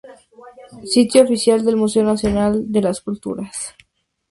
Sitio oficial del Museo Nacional de las Culturas.